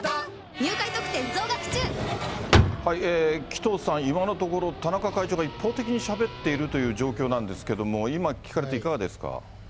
紀藤さん、今のところ、田中会長が一方的にしゃべっているという状況なんですけれども、今、聞かれていかがですか。